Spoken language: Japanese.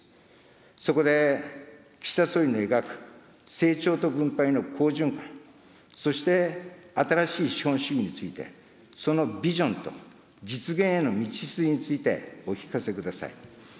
そこで、岸田総理の描く成長と分配の好循環、そして新しい資本主義について、そのビジョンと実現への道筋についてお聞かせください。